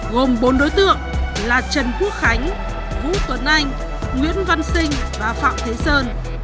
gồm bốn đối tượng là trần quốc khánh vũ tuấn anh nguyễn văn sinh và phạm thế sơn